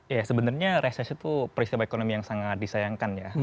ya sebenarnya resesi itu peristiwa ekonomi yang sangat disayangkan ya